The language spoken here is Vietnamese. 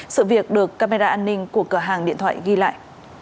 sự việc được camera an ninh của cửa hàng điện thoại ghi lại